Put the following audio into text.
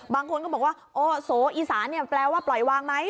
บางคนก็บอกว่าโอโสอีสานเนี่ยแปลว่าปล่อยวางไหม